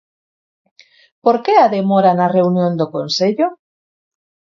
Por que a demora na reunión do Consello?